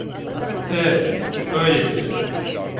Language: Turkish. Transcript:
Evet, öyledir.